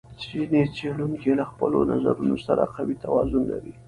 ځینې څېړونکي له خپلو نظرونو سره قوي توازن لري.